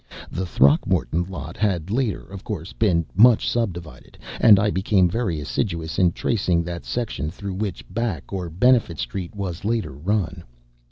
The Throckmorton lot had later, of course, been much subdivided; and I became very assiduous in tracing that section through which Back or Benefit Street was later run.